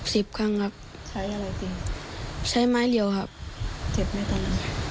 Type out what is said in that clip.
สิบครั้งครับใช้อะไรตีใช้ไม้เรียวครับเจ็บไหมตอนนั้น